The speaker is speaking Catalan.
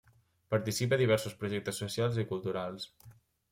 Participa a diversos projectes socials i culturals.